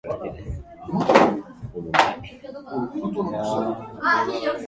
元来人間というものは自己の力量に慢じてみんな増長している